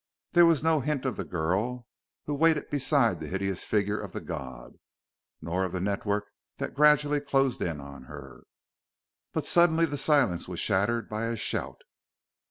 There was no hint of the girl who waited beside the hideous figure of the god, nor of the network that gradually closed in on her. But suddenly the silence was shattered by a shout.